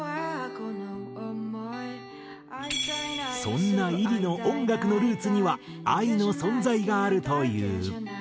そんなｉｒｉの音楽のルーツにはＡＩの存在があるという。